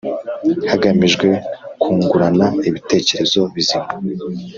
hagamijwe kungurana ibitekerezo bizima